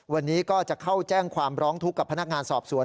วันนี้ก็จะเข้าแจ้งความร้องทุกข์กับพนักงานสอบสวน